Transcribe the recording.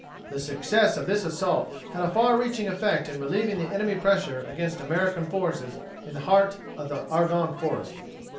"The success of this assault had a far reaching effect in relieving the enemy pressure against American forces in the heart of the Argonne Forest."